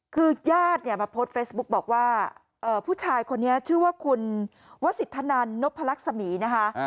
คือญาติเนี่ยมาโพสต์เฟซบุ๊กบอกว่าผู้ชายคนนี้ชื่อว่าคุณวสิทธนันนพลักษมีนะคะ